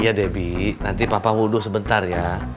iya debbie nanti papa wudhu sebentar ya